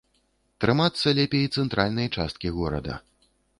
Трымацца лепей цэнтральнай часткі горада.